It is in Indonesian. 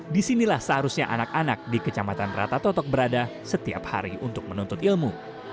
di sinilah seharusnya anak anak di kecamatan rata toto berada setiap hari untuk menuntut ilmu